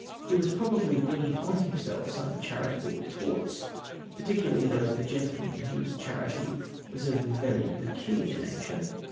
He was probably bringing on him self some charitable retorts, particularly those of a gentleman whose charity was of a very peculiar nature.